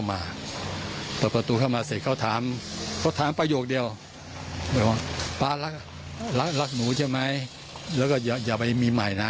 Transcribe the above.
มีเนื้อกันเดียวใช่ไหม